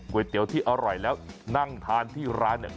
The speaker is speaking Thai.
เตี๋ยวที่อร่อยแล้วนั่งทานที่ร้านเนี่ย